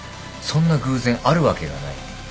そんな偶然あるわけがない。